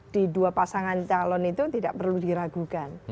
di dua pasangan calon itu tidak perlu diragukan